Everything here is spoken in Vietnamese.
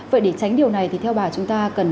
vậy để tránh điều này thì theo bà chúng ta cần